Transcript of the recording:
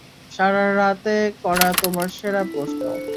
সারারাতে করা তোমার সেরা প্রশ্ন।